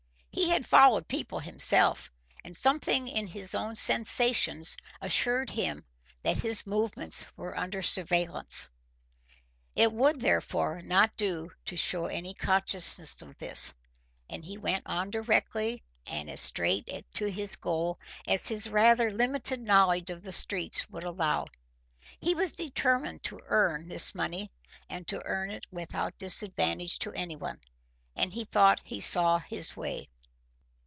He had followed people himself, and something in his own sensations assured him that his movements were under surveillance. It would, therefore, not do to show any consciousness of this, and he went on directly and as straight to his goal as his rather limited knowledge of the streets would allow. He was determined to earn this money and to earn it without disadvantage to anyone. And he thought he saw his way.